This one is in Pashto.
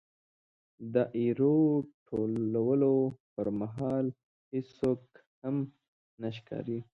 د ایرو ټولولو پرمهال هېڅوک هم نه ښکاري.